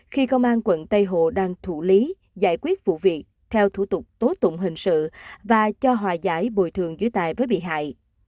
khi công an quận tây hồ đang thủ lý giải quyết vụ việc theo thủ tục tố tụng hình sự và cho hòa giải bồi thường dưới tài với bị hại